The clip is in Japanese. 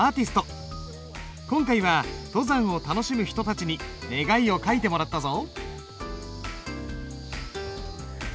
今回は登山を楽しむ人たちに願いを書いてもらったぞ。